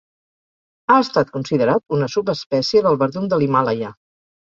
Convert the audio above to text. Ha estat considerat una subespècie del verdum de l'Himàlaia.